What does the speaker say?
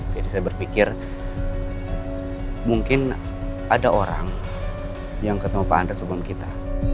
jadi saya berpikir mungkin ada orang yang ketemu pak andre sebelum kita